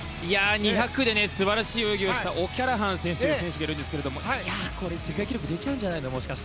２００で素晴らしい泳ぎをしたオキャラハン選手という選手がいるんですけれどもこれ、世界記録が出ちゃうんじゃないですか？